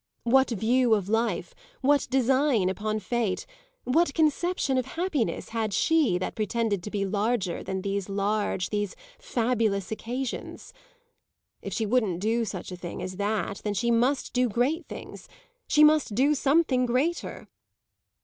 What view of life, what design upon fate, what conception of happiness, had she that pretended to be larger than these large these fabulous occasions? If she wouldn't do such a thing as that then she must do great things, she must do something greater.